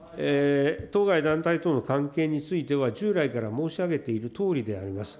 当該団体との関係については、従来から申し上げているとおりであります。